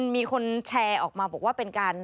มีคนแชร์ออกมาบอกว่าเป็นการ